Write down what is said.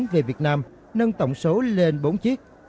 về việt nam nâng tổng số lên bốn chiếc